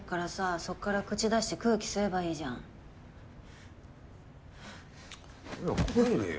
そこから口出して空気吸えばいいじゃん。早く入れよ。